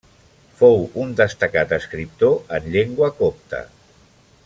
Fou un destacat escriptor en llengua copta.